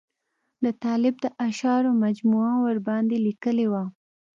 د طالب د اشعارو مجموعه ورباندې لیکلې وه.